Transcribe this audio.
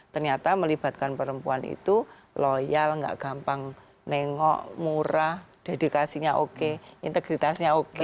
ternyata melibatkan perempuan itu loyal nggak gampang nengok murah dedikasinya oke integritasnya oke